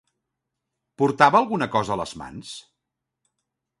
Portava alguna cosa a les mans?